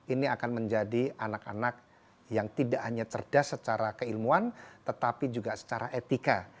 ini akan menjadi anak anak yang tidak hanya cerdas secara keilmuan tetapi juga secara etika